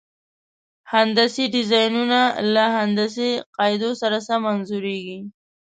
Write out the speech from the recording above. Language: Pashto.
هندسي ډیزاینونه له هندسي قاعدو سره سم انځوریږي.